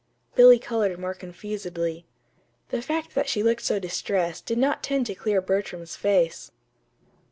Billy colored more confusedly. The fact that she looked so distressed did not tend to clear Bertram's face.